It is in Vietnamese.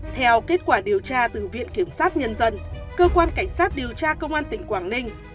theo kết quả điều tra từ viện kiểm sát nhân dân cơ quan cảnh sát điều tra công an tỉnh quảng ninh